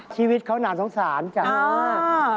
ชีวิตเขาหนาสงสารจาก